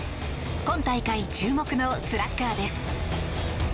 今大会注目のスラッガーです。